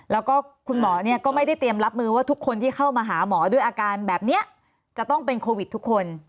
แล้วก็คุณหมอก็ไม่ได้เตรียมรับมือว่าทุกคนที่เข้ามาหาหมอด้วยอาการแบบนี้จะต้องเป็นโควิดทุกคน